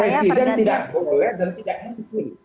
presiden tidak boleh dan tidak mungkin